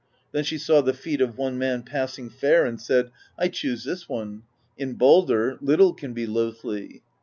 Then she saw the feet of one man, passing fair, and said: "I choose this one : in Baldr little can be loathly."